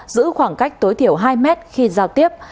giữ khoảng cách tối thiểu hai mét khi giao tiếp